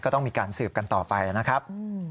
ต้องมีการสืบกันต่อไปนะครับ